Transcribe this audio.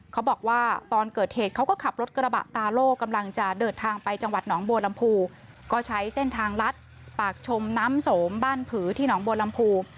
เขาบอกว่าตอนเกิดเหตุเขาก็ขับรถกระบะตาโล่กำลังจะเดินทางไปจังหวัดหนองบัวลำพูก็ใช้เส้นทางลัดปากชมน้ำสมบ้านผือที่หนองบัวลำพู